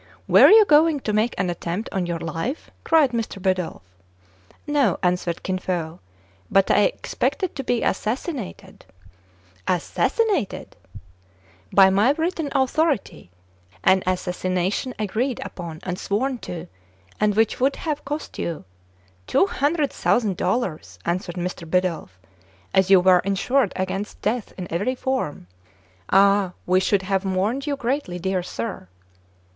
"Were you going to make an attempt on your life?" cried Mr. Bidulph. " No," answered Kin Fo ; "but I expected to be assassinated." I02 TRIBULATIONS OF A CHINAMAN. "Assassinated !" "By my written authority, — an assassination agreed upon, and sworn to, and which would have cost you*' —" Two hundred thousand dollars," answered Mr. Bidulph, "as you were insured against death in every form. Ah ! we should have mourned you greatly, dear sir."